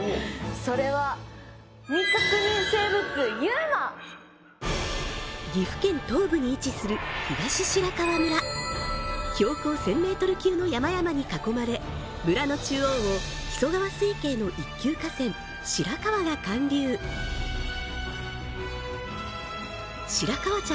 それは岐阜県東部に位置する東白川村標高１０００メートル級の山々に囲まれ村の中央を木曽川水系の１級河川白川が貫流白川茶